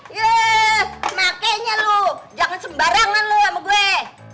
yeay makanya lo jangan sembarangan lo sama gue